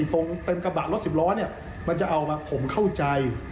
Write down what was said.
ตรงเต็มกระบะรถสิบล้อเนี่ยมันจะเอามาผมเข้าใจ